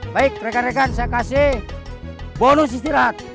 baik rekan rekan saya kasih bonus istirahat